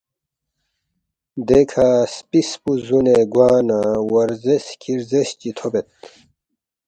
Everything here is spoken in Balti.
دے کھا سپِس پو زُونے گوا نہ وا رزیس کھی رزیس چی تھوبد